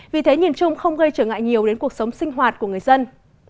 vì thế nhìn chung không gây trở ngại nhiều đến cuộc sống sinh hoạt của người dân